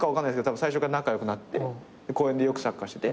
最初から仲良くなって公園でよくサッカーしてて。